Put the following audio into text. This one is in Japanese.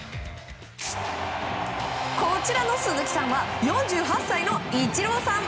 こちらの鈴木さんは４８歳のイチローさん。